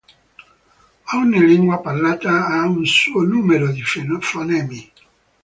Ogni lingua parlata ha un suo numero di fonemi.